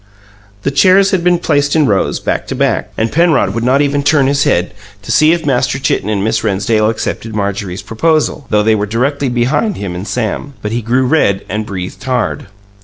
The chairs had been placed in rows, back to back, and Penrod would not even turn his head to see if Master Chitten and Miss Rennsdale accepted Marjorie's proposal, though they were directly behind him and Sam; but he grew red and breathed hard.